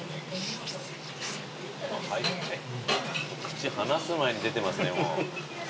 口離す前に出てますねもう。